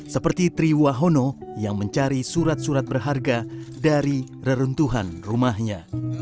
seperti triwahono yang mencari surat surat berharga dari reruntuhan rumahnya